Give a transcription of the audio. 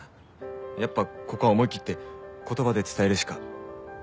やっぱここは思い切って言葉で伝えるしか